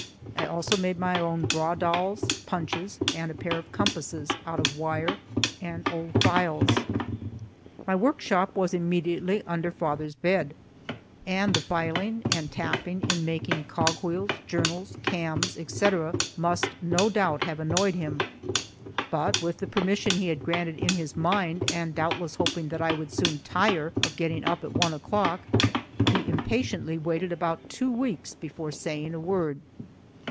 I also made my own bradawls, punches, and a pair of compasses, out of wire and old files. My workshop was immediately under father's bed, and the filing and tapping in making cogwheels, journals, cams, etc., must, no doubt, have annoyed him, but with the permission he had granted in his mind, and doubtless hoping that I would soon tire of getting up at one o'clock, he impatiently waited about two weeks before saying a word.